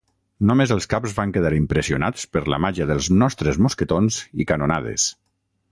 Només els caps van quedar impressionats per la màgia dels nostres mosquetons i canonades.